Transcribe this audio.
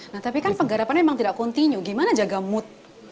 nah tapi kan penggarapannya memang tidak continue gimana jaga mood